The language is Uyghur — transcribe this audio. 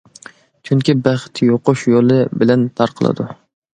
چۈنكى بەخت يۇقۇش يولى بىلەن تارقىلىدۇ.